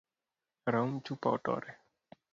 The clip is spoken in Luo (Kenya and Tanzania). Raum chupa otore.